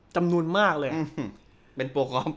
จำนวนมากเลย